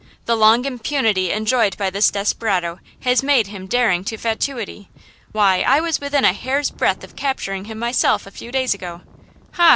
The long impunity enjoyed by this desperado has made him daring to fatuity. Why, I was within a hair's breadth of capturing him myself a few days ago." "Ha!